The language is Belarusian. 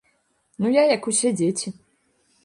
Ну я, як усе дзеці.